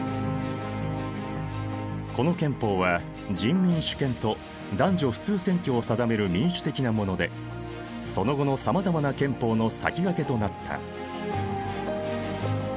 この憲法は人民主権と男女普通選挙を定める民主的なものでその後のさまざまな憲法の先駆けとなった。